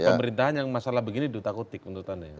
di zaman pemerintahan yang masalah begini sudah takut menurut anda ya